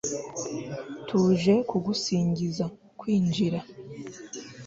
tuje kugusingiza [kwinjira